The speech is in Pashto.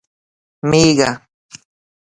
🐑 مېږه